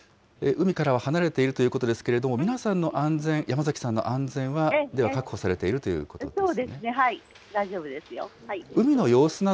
海からは離れているということですが、皆さんの安全、山崎さんの安全は、では確保されているということですか。